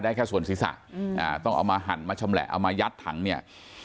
แค่ส่วนศีรษะต้องเอามาหั่นมาชำแหละเอามายัดถังเนี่ย